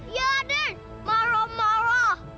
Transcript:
iya adik marah marah